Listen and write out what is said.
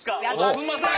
すいません！